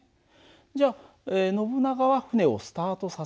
じゃあノブナガは船をスタートさせる係。